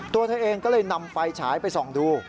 ตัวเธอเองก็เลยนำไฟฉายไปส่องดู